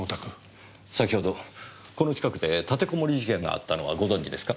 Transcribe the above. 先ほどこの近くで立てこもり事件があったのはご存じですか？